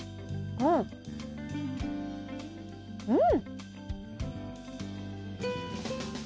うんうん！